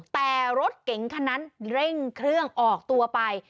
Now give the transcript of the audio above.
แต่รถเก๋งคันนั้นเร่งเครื่องออกตัวไป